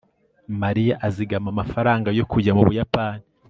mariya azigama amafaranga yo kujya mu buyapani